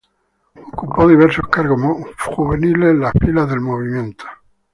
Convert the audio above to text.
Ocupó diversos cargos juveniles en las filas del Movimiento.